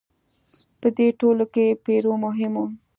په دوی ټولو کې پیرو مهم و.